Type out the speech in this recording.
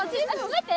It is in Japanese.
待って！